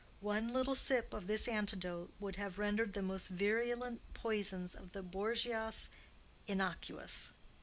One little sip of this antidote would have rendered the most virulent poisons of the Borgias innocuous.